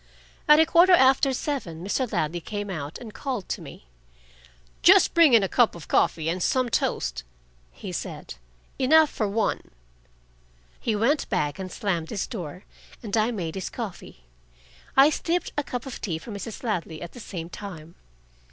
At a quarter after seven Mr. Ladley came out and called to me: "Just bring in a cup of coffee and some toast," he said. "Enough for one." He went back and slammed his door, and I made his coffee. I steeped a cup of tea for Mrs. Ladley at the same time.